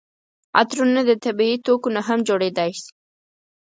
عطرونه د طبیعي توکو نه هم جوړیدای شي.